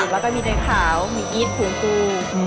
แล้วก็มีในขาวมีอีสผูนกู